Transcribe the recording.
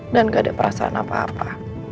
dan gak ada perasaan apa apa